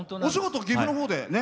お仕事、岐阜のほうで。